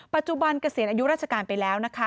ปัจจุบันเกษียณอายุราชการไปแล้ว